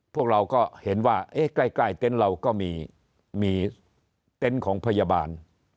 พวกเราก็เห็นว่าใกล้เต็นต์เราก็มีเต็นต์ของพยาบาล